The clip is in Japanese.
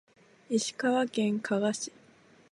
石川県加賀市